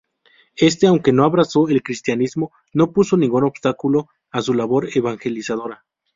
Este, aunque no abrazó el cristianismo, no puso ningún obstáculo a su labor evangelizadora.